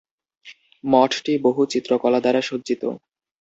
মঠটি বহু চিত্রকলা দ্বারা সজ্জিত।